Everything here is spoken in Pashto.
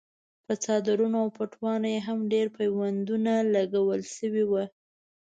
په څادرونو او پټوانو یې هم ډېر پیوندونه لګول شوي وو.